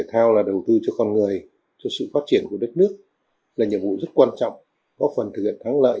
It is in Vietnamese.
thể thao là đầu tư cho con người cho sự phát triển của đất nước là nhiệm vụ rất quan trọng góp phần thực hiện thắng lợi